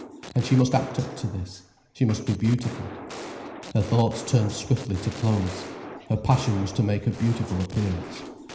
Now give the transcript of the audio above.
And she must act up to this: she must be beautiful. Her thoughts turned swiftly to clothes, her passion was to make a beautiful appearance.